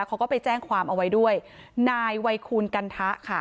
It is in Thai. เขาก็ไปแจ้งความเอาไว้ด้วยนายวัยคูณกันทะค่ะ